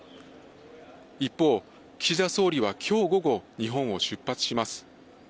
一方、岸田総理はきょう午後、日本を出発します。